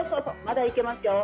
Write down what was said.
まだいけますよ。